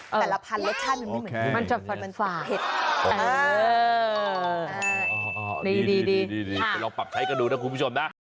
แต่ละพันรสชาติมันไม่เหมือนกัน